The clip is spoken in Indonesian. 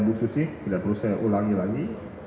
bu susi tidak perlu saya ulangi lagi